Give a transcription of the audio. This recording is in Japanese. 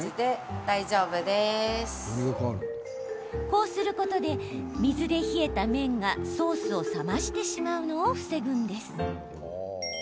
こうすることで、水で冷えた麺がソースを冷ましてしまうのを防ぐんです。